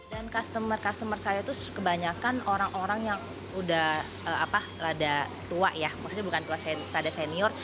dan customer customer saya itu kebanyakan orang orang yang udah rada tua ya maksudnya bukan rada senior